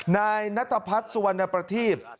นายนัทพัฒน์สุวรรณประทีป